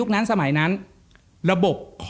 ครับ